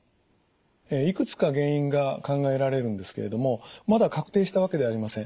いくつか原因が考えられるんですけれどもまだ確定したわけではありません。